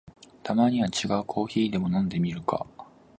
たまには違うコーヒーでも飲んでみるか